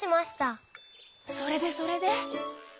それでそれで？